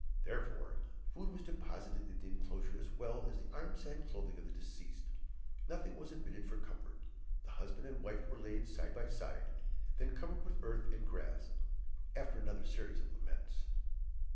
Therefore, food was deposited in the inclosure as well as the arms and clothing of the deceased. Nothing was omitted for comfort. The husband and wife were laid side by side, then covered with earth and grass, after another series of laments.